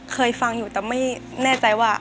เคยฟังอยู่แต่ไม่แน่ใจว่า